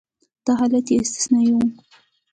دا حالت یې استثنایي و.